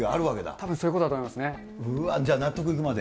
たぶん、そういうことだと思うわ、じゃあ、納得いくまで？